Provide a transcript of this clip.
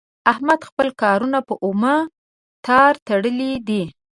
احمد خپل کارونه په اومه تار تړلي دي.